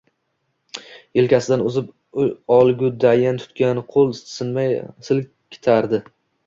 Yelkasidan uzib olgudayin tutgan qo‘l tinmay silkitardi